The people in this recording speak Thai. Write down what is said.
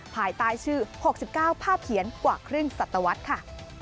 ภายใต้ชื่อ๖๙ภาพเขียนกว่าครึ่งสัตวรรษค่ะ